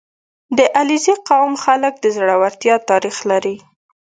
• د علیزي قوم خلک د زړورتیا تاریخ لري.